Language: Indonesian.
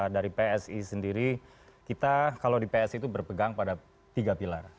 dari psi sendiri kita kalau di psi itu berpegang pada tiga pilar